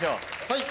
はい。